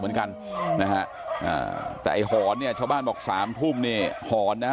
เหมือนกันนะฮะอ่าแต่ไอ้หอนเนี่ยชาวบ้านบอกสามทุ่มเนี่ยหอนนะฮะ